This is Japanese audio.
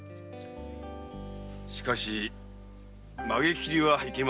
しかし髷切りはいけませんな。